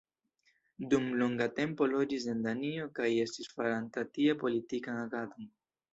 Dum longa tempo loĝis en Danio kaj estis faranta tie politikan agadon.